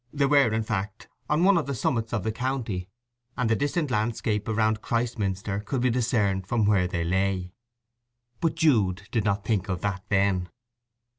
They were, in fact, on one of the summits of the county, and the distant landscape around Christminster could be discerned from where they lay. But Jude did not think of that then.